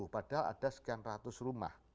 padahal ada sekian ratus rumah